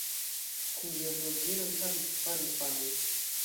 Kun lia dua edzino li havis kvar infanojn.